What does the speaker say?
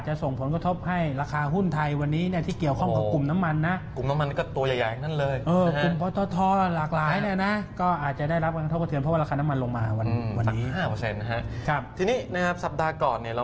ใช่ครับแล้วก็เมื่อคืนตัวเลขอันนึงก็คือราคาน้ำมันนะฮะ